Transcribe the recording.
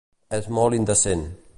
És molt indecent.